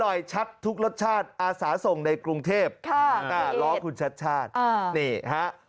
อร่อยชัดทุกรสชาติอาสาสงค์ในกรุงเทพฯค่ะค่ะล้อคุณชัดชาติอ่า